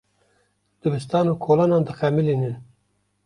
Dibistan û kolanan dixemilînin.